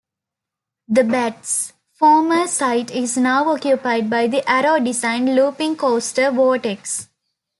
"The Bat's" former site is now occupied by the Arrow designed looping coaster "Vortex".